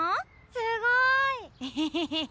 すごい！エヘヘヘヘ。